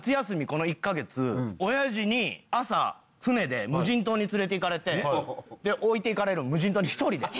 この１カ月親父に朝船で無人島に連れていかれて置いていかれる無人島に１人で。